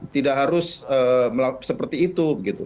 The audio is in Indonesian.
tidak harus seperti itu